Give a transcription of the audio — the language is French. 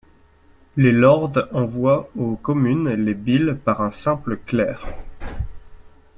Les lords envoient aux communes les bills par un simple clerc.